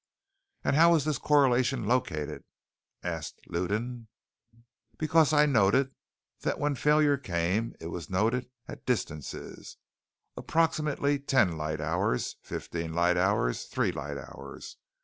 "And how was this correlation located?" asked Lewdan. "Because I noted that when failure came, it was noted at distances, 'Approximately ten light hours, ... fifteen light hours ... three light hours.'